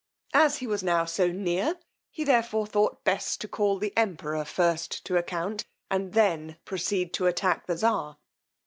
As he was now so near, he therefore thought best to call the emperor first to account, and then proceed to attack the czar.